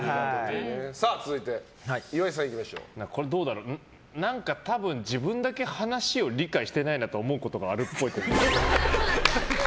続いて、岩井さん。何か多分、自分だけ話を理解してないなと思うことがあるっぽい。